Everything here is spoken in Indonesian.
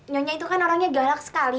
nyonya itu kan orangnya galak sekali